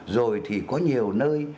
rồi thì có nhiều nơi